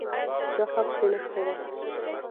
دا حق دی نه خیرات.